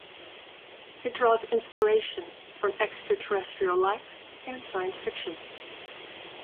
It draws inspiration from extraterrestrial life and science fiction.